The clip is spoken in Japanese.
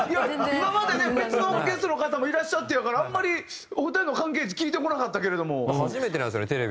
今までね別のゲストの方もいらっしゃってやからあんまりお二人の関係値聞いてこなかったけれども。